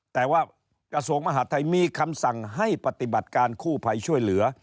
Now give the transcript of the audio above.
แต่ว่ากระทรวงมหาดไทยมีคำสั่งให้ปฏิบัติการกู้ภัยช่วยเหลือ